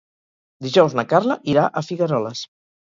Dijous na Carla irà a Figueroles.